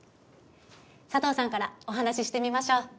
サトウさんからお話してみましょう。